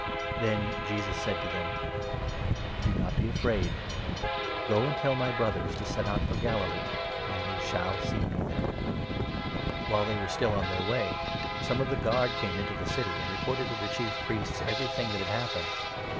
Then Jesus said to them :," Do not be afraid ; go and tell my brothers to set out for 10 Galilee, and they shall see me there." While they were still on their way, some of the guard came 1 1 into the city, and reported to the Chief Priests everything that had happened.